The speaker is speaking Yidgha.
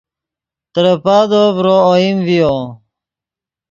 ترے پادو ڤرو اوئیم ڤیو